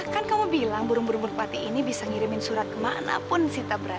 kan kamu bilang burung burung pati ini bisa ngirimin surat kemana mana